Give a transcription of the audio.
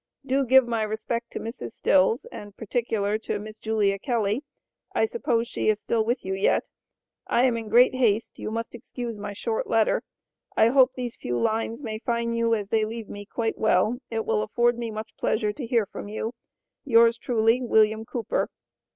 Do give my Respect to Mrs Stills & Perticular to Miss Julia Kelly, I supose she is still with you yet, I am in great hast you must excuse my short letter. I hope these few Lines may fine you as they Leave me quite well. It will afford me much Pleasure to hear from you. yours Truly, WILLIAM COOPER.